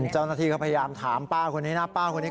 เจ้าหน้าที่ก็พยายามถามป้าคนนี้นะป้าคนนี้